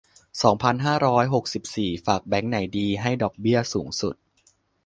สองพันห้าร้อยหกสิบสี่ ฝากแบงก์ไหนดี ให้ดอกเบี้ยสูงสุด